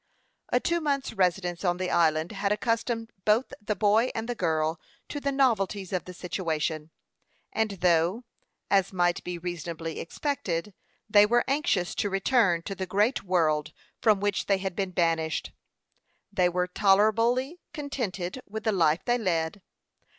A two months' residence on the island had accustomed both the boy and the girl to the novelties of the situation; and though, as might be reasonably expected, they were anxious to return to the great world from which they had been banished, they were tolerably contented with the life they led.